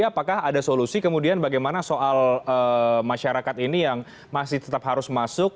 apakah ada solusi kemudian bagaimana soal masyarakat ini yang masih tetap harus masuk